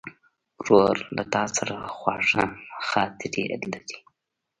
ورور له تا سره خواږه خاطرې لري.